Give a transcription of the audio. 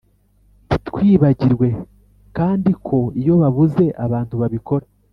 ntitwibagirwe kandi ko iyo babuze abantu babikora